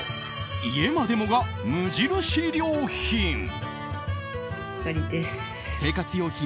家までもが無印良品。